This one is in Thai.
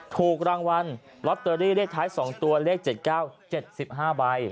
ถูกรางวัลลอตเตอรี่เลขท้าย๒ตัวเลข๗๙๗๕ใบ